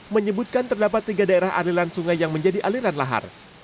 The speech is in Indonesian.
menyebutkan terdapat tiga daerah aliran sungai yang menjadi aliran lahar